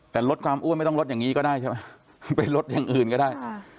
แต่ลดความอ้วนไม่ต้องลดอย่างนี้ก็ได้ใช่ไหมไปลดอย่างอื่นก็ได้